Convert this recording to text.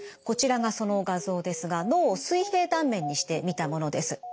こちらがその画像ですが脳を水平断面にして見たものです。